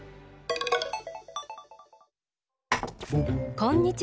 こんにちは。